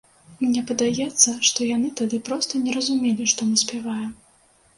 Мне падаецца, што яны тады проста не разумелі, што мы спяваем.